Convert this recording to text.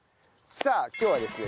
さあ今日はですね